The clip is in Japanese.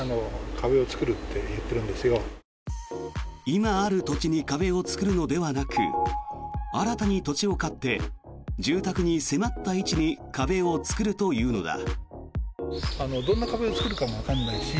今ある土地に壁を作るのではなく新たに土地を買って住宅に迫った位置に壁を作るというのだ。